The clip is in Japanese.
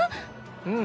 ⁉うん。